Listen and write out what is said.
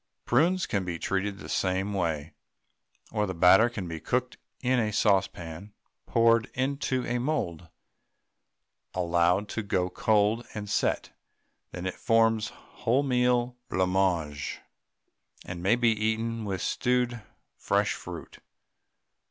Prunes can be treated the same way, or the batter can be cooked in the saucepan, poured into a mould, allowed to go cold and set; then it forms wholemeal blancmange, and may be eaten with stewed fresh fruit.